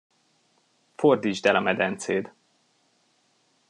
Fordítsd el a medencéd.